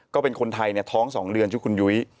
ก็เป็นคนไทยท้อง๒เดือนชื่อคุณยุ้ย